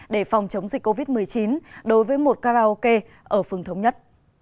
để phòng chống dịch covid một mươi chín đối với một karaoke ở phương thống nhất